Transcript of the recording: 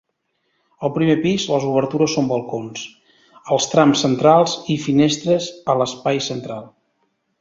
Al primer pis, les obertures són balcons, als trams centrals, i finestres, a l'espai central.